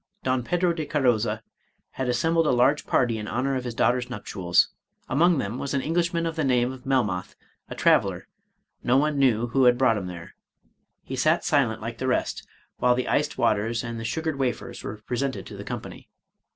Don Pedro de Cardoza had assembled a large party in honor of his daughter's nuptials; among them was an Englishman of the name of Melmoth, 2l trav eler ; no one knew who had brought him there. He sat silent like the rest, while the iced waters and the sugared wafers were presented to the company.